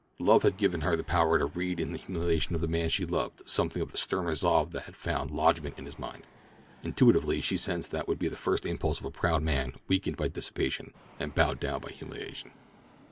Love had given her the power to read in the humiliation of the man she loved something of the stern resolve that had found lodgment in his mind. Intuitively she sensed what would be the first impulse of a proud man weakened by dissipation and bowed down by humiliation.